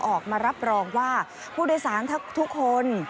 ออกมารับรองว่าผู้โดยสารทุกคน